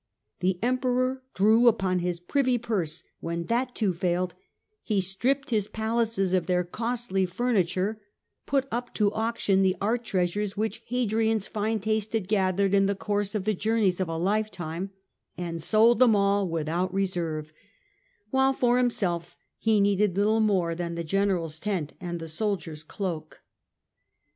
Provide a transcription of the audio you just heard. The Emperor drew upon his privy purse ; when that too failed, he stripped his palaces of their costly furniture, put up to auction the art treasures which Hadrian's fine taste had gathered in the course of the journeys of a lifetime, and sold them all without reserve, while for himself he needed little more than the general's tent and soldier's cloak.